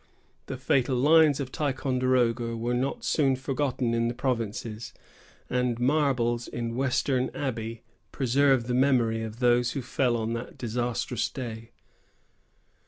The fatal lines of Ticonderoga were not soon forgotten in the provinces; and marbles in Westminster Abbey preserve the memory of those who fell on that disastrous day.